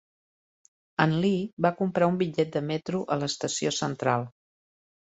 En Lee va comprar un bitllet de metro a l'estació central.